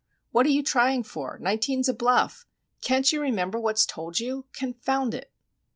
What are you trying for? 19's a bluff! Can't you remember what's told you,—confound it!"